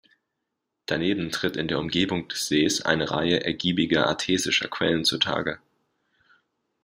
Daneben tritt in der Umgebung des Sees eine Reihe ergiebiger artesischer Quellen zu Tage.